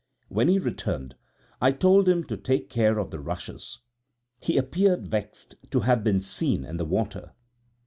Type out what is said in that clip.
When he returned, I told him to take care of the rushes; he appeared vexed to have been seen in the water.